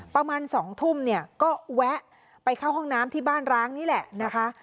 ประมาณ๒ทุ่มเนี่ยก็แวะไปเข้าห้องน้ำที่บ้านร้างนี่แหละนะคะ